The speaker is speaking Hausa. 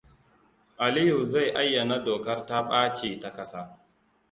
Aliyu zai ayyana dokar ta-baci ta kasa.